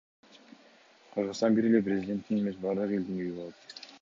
Кыргызстан бир эле президенттин эмес, бардык элдин үйү болот.